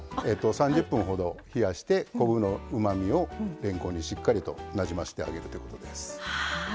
３０分ほど冷やして昆布のうまみをれんこんにしっかりとなじませてあげるということです。